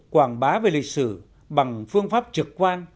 quảng bá về lịch sử bằng phương pháp trực quan